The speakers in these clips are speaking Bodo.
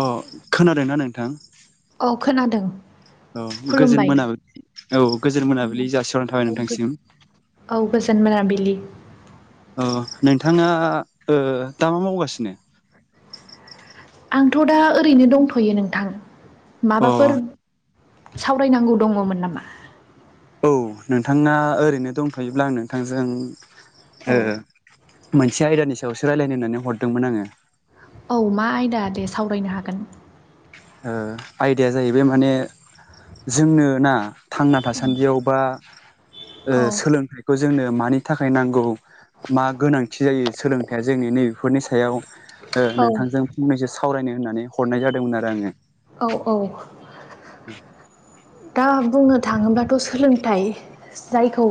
अ खोनादोंना नोंथां। औ खोनादों। औ गोजोन खुलुमबाय मोनाबिलि औ गोजोन मोनाबिलि जासिह'नाय थाबाय नोंथांसिम। औ गोजोन मोनाबलि। ओ नोंथाङा ओ दा मा मावगासिनो? आंथ' दा ओरैनो दंथ'यो नोंथां अ माबाफोर सावरायनांगौ दङमोन नामा? औ नोंथाङा ओरैनो दंथ'योब्ला आं नोंथांजों औ ओ मोनसे आयदानि सायावसो रायज्लायनो होननानै हरदोंमोन आङो। औ मा आयदा दे सावरायनो हागोन। ओ आयदाया जाहैबाय माने जोंनो ना थांना थासान्दियाव बा ओ औ सोलोंथाइखौ जोंनो मानि थाखाय नांगौ मा गोनांथि जायो सोलोंथाइया जोंनि नैबेफोरनि सायाव ओ औ नोंथांजों फंनैसो सावरायनो होननानै हरनाय जादोंमोन आरो आङो। औ औ दा बुंनो थाङोब्लाथ' सोलोंथाइ जायखौ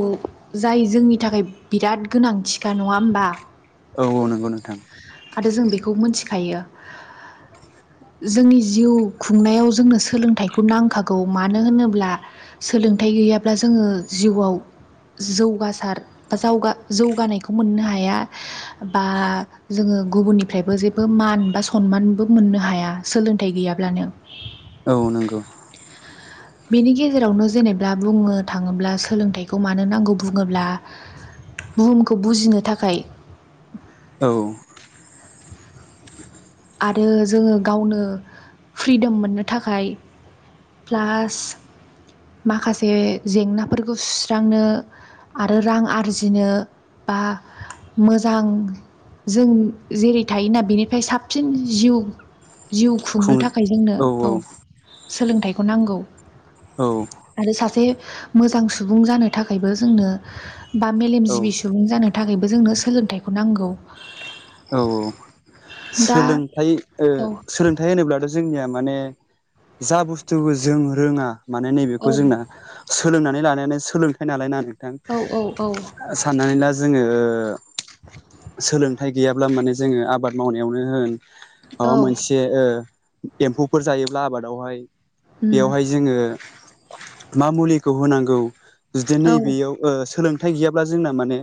जाय जोंनि थाखाय बि बिराद गोनांथिखा नङा होमबा। औ औ नंगौ नों आरो जों बेखौ मोनथिखायो। जोंनि जिउ खुंनायाव जोंनो सोलोंथाइखौ नांखागौ मानो होनोब्ला सोलों थाइ गैयाब्ला जोङो जिउआव जौगासार बा जावगा जौगानायखौ मोननो हाया। बा जोङो गुबुननिफ्रायबो जेबो मान बा सनमानबो मोननो हाया। सोलोंथाइ गैयाब्लानो औ नंगौ बेनि गेजेरावनो जेनेबा बुंनो थाङोब्ला सोलोंथाइखौ मानो नांगौ बुङोब्ला बुहुमखौ बुजिनो थाखाय औ। आरो जोङो गावनो फ्रिदम मोननो थाखाय प्लास माखासे जेंनाफोरखौ सुस्रांनो आरो रां आरजिनो बा मोजां जों जेरै थायोना बेनिफ्राय साफ साबसिन जिउ जिउ खुं खुंनो थाखाय जोंनो औ सोलोंथाइखौ नांगौ। औ आरो सासे मोजां सुबुं जानो थाखायबो जोंनो बा औ मेलेमजिबि सुबुं जानो थाखाय थाखायबो जोंनो सोलोंथाइखौ नांगौ। औ औ। दा सोलोंथाइ ओ औ सोलोंथाइ होनोब्लाथ' जोंनिया माने जा बुस्थुखौ जों रोङा माने औ नैबेखौ जोंना सोलोंनानै लानायानानै सोलोंथाइ नालाय ना नोंथां? औ औ औ साननानै ला जोङो सोलोंथाइ गैयाब्ला माने जोङो आबाद मावनायावनो होन माबा औ मोनसे ओ एम्फौफोर जायोब्ला आबादावहाय उम बेयावहाय जोङो मा मुलिखौ होनांगौ जुदि औ नैबेयाव सोलों ओ हथाय गैयाब्ला जोंना माने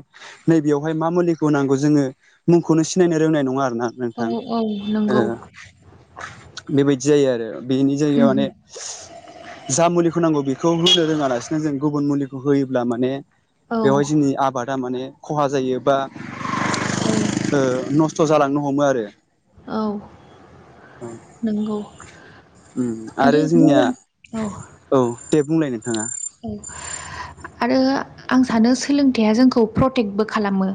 नैबेयावहाय मा मुलिखौ नांगौ जोङो मुंखौनो सिनायनो रोंनाय नङा आरो। ना औ नोंथां औ ओ नंगौ बेबायदि जायो आरो। बेनि जायायाव उम माने जा मुलिखौ नांगौ। बेखौ होनो रोङा लासिनो जों गुबुन मुलिखौ होयोब्ला माने औ बेवहाय जोंनि आबादा माने खहा जायो बा ओ औ नस्थ नस्थ' जालांनो हमो आरो। औ नंगौ। उम आरो जोंनिया बुंनो औ औ दे बुंलाय नोंथाङा। औ। आरो आं सानो सोलोंथाइया जोंखौ प्रटेक्टबो खालामो।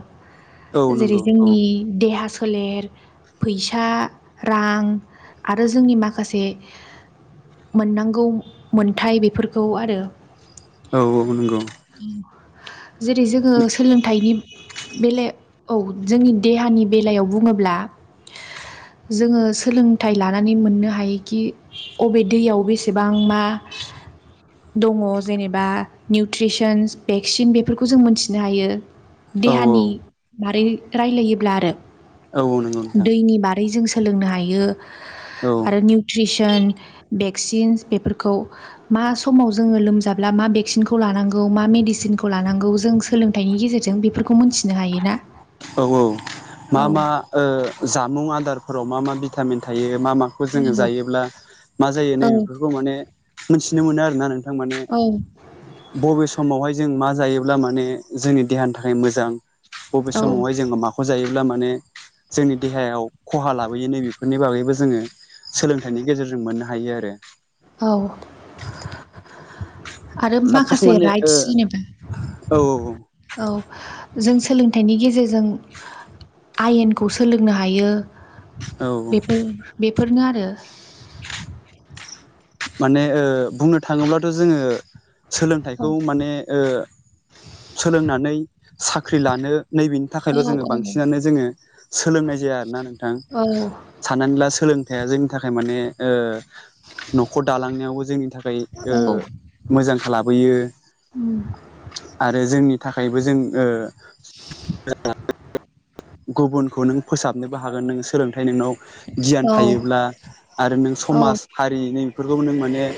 औ जेरै नंगौ औ जोंनि देहा सो फोलेर फैसा रां आरो जोंनि माखासे मोननांगौ मोनथाय बेफोरखौ आरो। औ औ नंगौ। जेरै जोङो सोलोंथाइनि बेले औ। जोंनि देहानि बेलायाव बुङोब्ला जोङो सोलोंथाइ लानानै मोननो हायोखि अबे दैयाव बेसेबां मा? मा दं। जेनेबा निउट्रिसन भेक्सिन बेफोरखौ जों मोनथिनो हायो। औ देहानि बारै रायलायोब्ला आरो। औ औ नंगौ नोंथां दैनि बारै जों सोलोंनो हायो। औ आरो निउट्रिसन बे [unintelligible] बेफोरखौ मा स'मआव जोङो लोमजा मा भेकसिनखौ लानांगौ मा मेडिसिन लानांगौ जों सोलोंथायनि गेजेरजों बेफोरखौ मोनथिनो हायोना औ औ मा औ मा ओ जामुं आदार? फोरफोराव मा मा भिटामिन थायो मा माखौ जोङो जायोब्ला मा जायो औ नैबेफोरखौ माने मोनथिनो मोनो आरोना नोंथां माने। औ बबे समावहाय जों मा जायोब्ला माने जोंनि देहानि थाखाय मोजां बबे औ समावहाय जोङो माखौ जायो? अब्ला माने जोंनि देहायाव खहा लाबोयो नैबेफोरनि बागैबो जोङो सोलोंथाइनि गेजेरजों मोननो हायो आरो। औ। आरो सापस माखासे माने ओ राइटस जेनेबा औ औ। जों सोलोंथाइनि गेजेरजों जों आयेन सोलोंनो हायो। औ बेफोर बेफोरनो आरो। माने बुंनो थाङोब्लाथ' जोङो सोलोंथाइखौ माने ओ सोलोंनानै साख्रि लानो नैबेनि थाखायल' औ जोङो बांसिनानो जोङो सोलोंनाय जाया आरो ना नोंथां औ साननानै ला सो लोंथाइया जोंनि थाखाय माने ओ न'खर दालांनायावबो जोंनि थाखाय ओ मोजां लाबोयो उम आरो जोंनि थाखायबो जोंं ओ [unintelligible] गुबुनखौ नों फोसाबनोबो हागोन नों सोलों ओमफ्राय नोंनाव गियान औ थायोब्ला आरो नों औ समाज हारिनि नों बेखौबो नों माने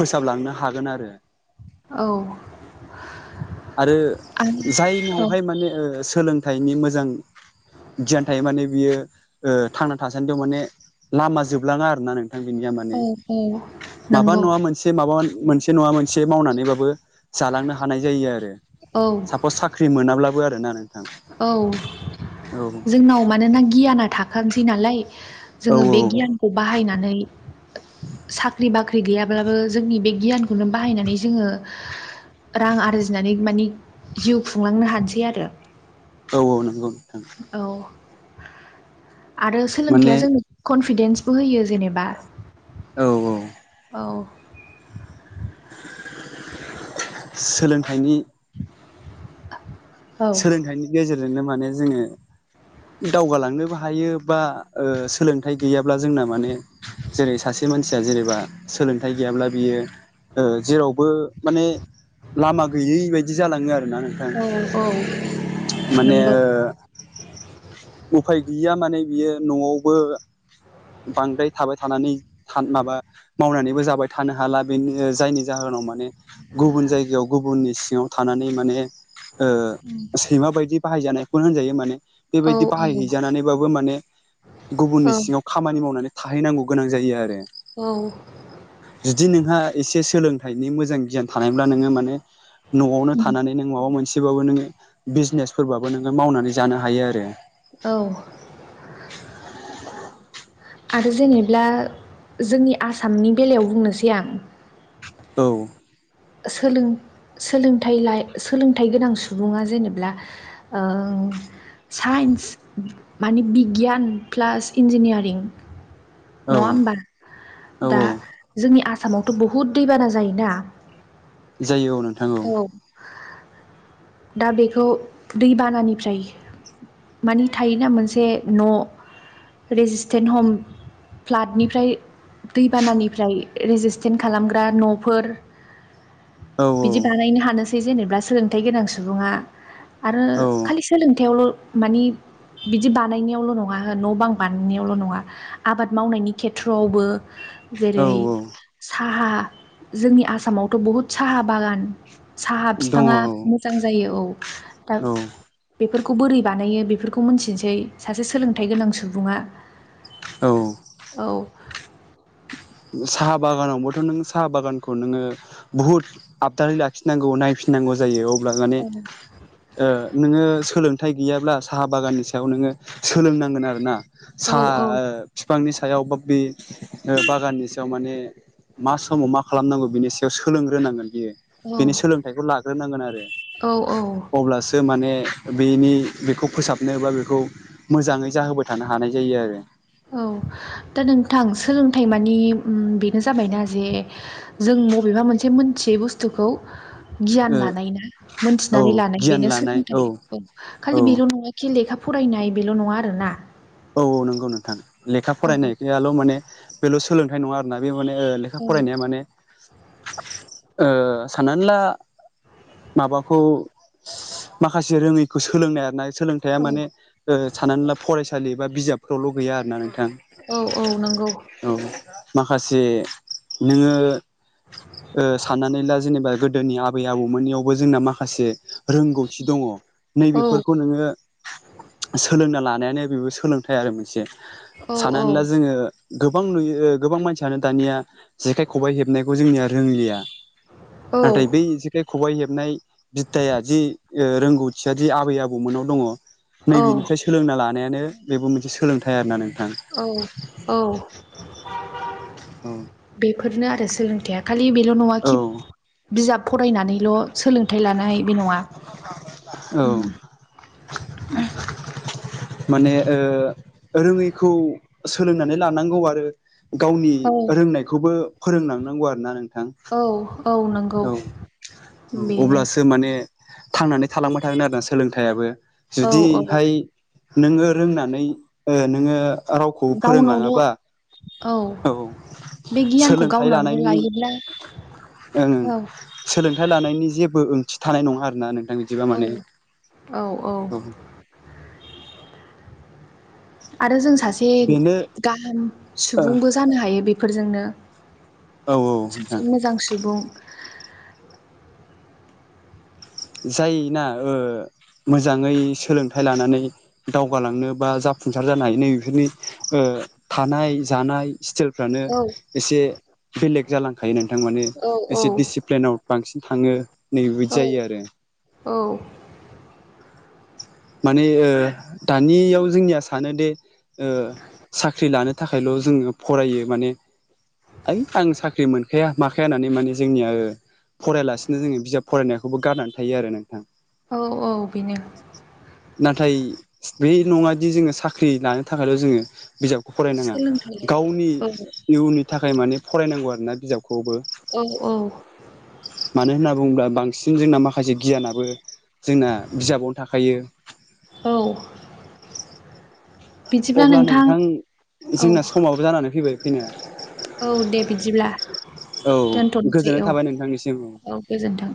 फोसाबलांनो हागोन आरो औ आरो जायनिवहाय औ माने ओ सोलोंथाइनि मोजां गियान थायो माने बियो ओ थांना थासानदियाव माने लामा जोबलाङा आरोना नोंथां बिनिया माने औ माबा नंगौ नङा मोनसे माबा मोनसे नङा मोनसे मावनानैबाबो जालांनो हानाय ओ, औ सापस साख्रि मोनाब्लाबो आरोना नों। औ जोंनाव मानोना गियाना थाखानोसै नालाय। औ जोङो बे गियानखौ बाहायनानै साख्रि बाख्रि गैयाब्लाबो जोंनि बे गियानखौनो बाहायनानै जोङो रां आरजिनानै मानि जिउ खुंलांनो हानोसै आरो। औ औ नंगौ नोंथां। औ आरो सोलोंथाया माने जोंनो कनफिदेन्स बो होयो जेनेबा औ औ औ सोलोंथाइनि [inaudible] [unintelligible] सोलोंथाइनि गेजेरजोंनो माने जोङो दावगालांनोबो हायो बा सोलोंथाइ गैयाब्ला जोंना माने जेरै सासे मानसि ज जेनेबा सोलोंथाइ गैयामोनब्ला बियो ओ जेरावबो माने लामा गैयै बायदि जालाङो आरो ना नोंथां। औ औ माने नोंगौ। ओ उफाय गैया माने बियो न'आवबो बांद्राय थाबाय थानानै माबा मावनानैबो जाबाय थानो हाला बेनि जायनि जाहोनाव माने गुबुन जायगायाव गुबुननि सिङाव थानानै माने ओ औ सैमा बायदि बाहायजानायखौनो होनजायो माने औ बेबायदि बाहायहैजानानैबाबो माने औ गुबुननि सिङाव खामानि मावनानै थाहैनांगौ गोनां जायो आरो औ जुदि नोंहा एसे सोलोंथाइनि मोजां गियान थानायब्ला नोङो माने न'आवनो थानानै नों माबा मोनसे मोनसेबाबो नोङो बिजनेसफोरबाबो नोङो मावनानै जानो हायो आरो औ आरो जेनेब्ला जोंनि आसामनि बेलायाव बुंनोसै आं औ सोलों सोलोंथाइ लाइ सोलोंथाइ गोनां सुबुङा जेनेब्ला ओ सा साइन्स माने बिगियान प्लास इन्जिनियारिं [inaudible] नङा होमबा औ दा जोंनि आसामावथ' बहुद दैबाना जायोना जायो औ नोंथां औ दा बेखौ दैबानानिफ्राय मानि थायोना मोनसे न' रेजिस्टेन्ट हम फ्लादनिफ्राय दैबानानिफ्राय रेजिस्टेन खालामग्रा न'फोर औ बिदि बानायनो हानोसै जेनेबा सोलोंथाइ गोनां सुबुंङा आरो औ खालि सोलोंथायावल मानि बिदि बानायनायावल नंङा हो न'बां बानायनायावल नंङा आबाद मावनायनि खेथ्रआवबो औ जेरै औ साहा जोंनि आसामावथ बहुद साहा बागान साहा दङ फिफांङा औ मोजां जायो औ दा औ फोरखौ बोरै बानायो बेफोरखौ मिथिनोसै सासे सोलोंथाइ गोनां सुबुंङा औ औ साहा बागानावबोथ नों साहा बागानखौ नोंङो बुहुत आबदारि लाखिनांगौ नायफिननां गौ जायो अब्ला मानि औ ओ नोंङो सोलों थाय गैयाब्ला साहा बागाननि सायाव नोंङो सोलोंनांगोन आरो ना औ सा ओ फांनि सायाव बा बे ओ बा गाननि सायाव माने मा समाव मा खालामनांगौ बिनि सायाव सोलोंग्रोनांगोन। बियो औ बिनि सोलोंथाइखौ लाग्रोनांगोन आरो औ औ अब्लासो माने बेनि बेखौ फोसाबनो बा बेखौ मोजांङै जाहोबाय थानो हानाय जायो आरो। औ दा नोंथां सोलोंथाइ मानि बेनो जाबायना जे जों मबेबा मा से मोनसे मोनथियै बुस्थुखौ गियान ओ लानाय ना औ मोनथिनानै लानाय गियान बेनो लानाय सोलोंथाइ औ औ खालि बेल नंङा खि लेखा फरायनाय बेल नंङा आरो ना। औ औ नंगौ नोंथां लेखा फरायनायाल माने बेल सोलोंथाइ नंङा आरो ना बे माने ओ लेखा औ फरायनाया माने ओ साननानै ला माबाखौ माखासे रोंङैखौ सोलोंनाय आरो ना सोलोंथाया औ माने ओ साननानै ला फरायसालि बा बिजाबफोरावल गैया आरो ना नों औ औ नोंगौ। माखासे नोंङो ओ साननानै ला जेनेबा गोदोनि आबै आबौ मोननियावबो जोंना माखासे रोंगौथि दंङ औ नैबेफोरखौ नोंङो सोलोंना लानायानो बेबो सोलोंथाइ आरो मोनसे औ औ साननानै ला जोंङो गोबां नुयो ओ गोबां मानसि आरो दानिया जेखाइ खबाइ हेबनायखौ जोंनिया रोंलिया औ नाथाय बै जेखाइ खबाइ हेबनाय बिध्दाया जि ओ रोंगौथिया दि आबै आबौ मोनाव दंङ, औ नैबेनिफ्राय सोलोंना लानायानो बेबो मोनसे सोलोंथाइ आरो ना नों औ औ औ बे फोरनो आरो सोलोंथाया खालि बेल नंङा खि बिजाब फरायनानैल सोलों थाय लानाय बे नंङा औ उम माने ओ रोंङैखौ सोलोंनानै लानांगौ आरो गावनि औ रोंनायखौबो फोरोंलांनांगौ आरो ना नों औ औ नंगौ औ औ बेनो अब्लासो माने थांनानै थालांबाय थागोन आरो ना सोलोंथायाबो औ औ जुदिहाय नोंङो रोंनानै ओ नोंङो रावखौबो गावनावल' फोरोंलांङाबा औ बे गियानखौ सोलोंथाइ गावनानै लानायनि लायोब्ला ओं औ सोलोंथाइ लानायनि जेबो ओंथि थानाय नंङा आरोना नों नों बिदिबा औ माने औ आरो जों सासे बेनो गाहाम ओ सुबुंबो जानो हायो बेफोरजोंनो औ नोंथां सासे मोजां सुबुं जायोना ओ मोजांङै सोलोंथाइ लानानै दावगालांनो बा जा फुंसार जानो हायो नैबेफोरनि ओ थानाय जानाय स्टेइलफ्रानो औ एसे बेलेग जालां थायो नोंथां माने औ औ एसे डिसिप्लिनाव बांसिन थाङो नै बायदि औ जायो आरो औ माने दानियाव जोंनिया सानो दे ओ साख्रि लानो थाखायल' जोङो फरायो माने ओइ आं साख्रि मोनखाया माखाया होननानै माने जोंनिया ओ फरायलासिनो जोङो बिजाब फरायनायखौ औ औ बेनो। नाथाय बे नङादि जोङो साख्रि लानो थाखायल' जोङो बिजाबखौ फरायनाङा सोलोंथाइ गावनि लायो औ इयुननि थाखाय माने फरायनांगौ आरोना बिजाबखौ खौबो औ मानो होनना बुङोब्ला बांसिन जोंना माखासे गियानाबो जोंना बिजाबावनो थाखायो। औ अब्ला नोंथां औ जोंना समाबो जानानै फैबाय फैनाया औ दे बिदिब्ला। औ दोनथ'नोसै गोजोननाय औ थाबाय नोंथांनिसिम। औ गोजोन्थों